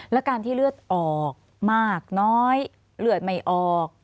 และการที่เลือดออกมากน้อยเลือดไม่ออก